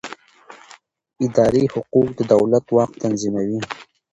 اداري حقوق د دولت واک تنظیموي.